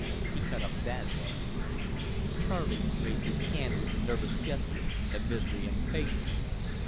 He cut up bad though.'" Charley raised his hand with a nervous gesture of misery and impatience.